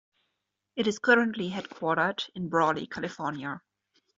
It is currently headquartered in Brawley, California.